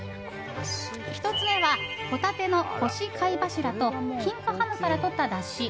１つ目はホタテの干し貝柱と金華ハムからとっただし。